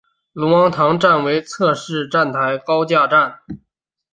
龙王塘站为侧式站台高架站。